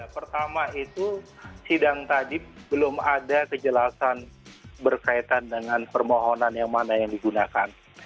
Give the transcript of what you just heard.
pertama itu sidang tadi belum ada kejelasan berkaitan dengan permohonan yang mana yang digunakan